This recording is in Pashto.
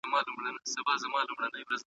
دغه غوښتنه كوي دا اوس د دعــا پــــر پـاڼـه